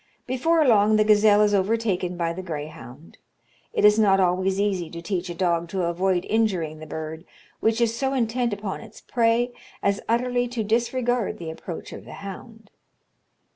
Before long the gazelle is overtaken by the greyhound. It is not always easy to teach a dog to avoid injuring the bird, which is so intent upon its prey as utterly to disregard the approach of the hound.